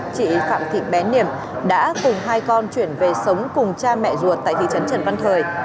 chị phạm thị bén niềm đã cùng hai con chuyển về sống cùng cha mẹ ruột tại thị trấn trần văn thời